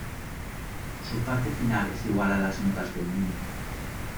Su parte final es igual a las notas del min.